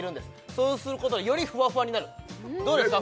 そうすることでよりふわふわになるどうですか？